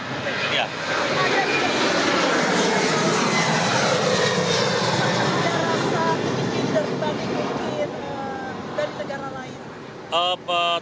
apakah anda tidak rasa keinginan dari negara lain